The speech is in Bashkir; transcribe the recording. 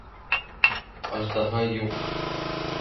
Аждаһа юҡ!